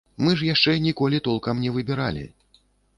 Мы ж яшчэ ніколі толкам не выбіралі.